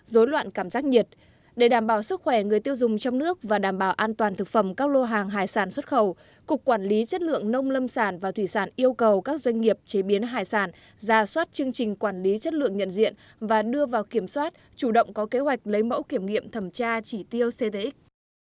dối loạn cảm giác nhiệt để đảm bảo sức khỏe người tiêu dùng trong nước và đảm bảo an toàn thực phẩm các lô hàng hải sản xuất khẩu cục quản lý chất lượng nông lâm sản và thủy sản yêu cầu các doanh nghiệp chế biến hải sản ra soát chương trình quản lý chất lượng nhận diện và đưa vào kiểm soát chủ động có kế hoạch lấy mẫu kiểm nghiệm thẩm tra chỉ tiêu cdc